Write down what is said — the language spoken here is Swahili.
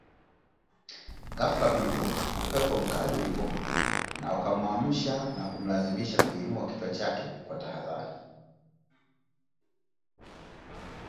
Ghafla bin vu, upepo mkali ulivuma na ukamwamsha na kumlazimisha kuinua kichwa chake kwa tahadhari